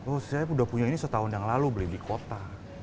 oh saya udah punya ini setahun yang lalu beli di kota